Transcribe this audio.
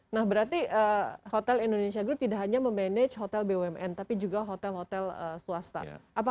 nah berarti hotel indonesia group tidak hanya memanage hotel bumn tapi juga hotel hotel swasta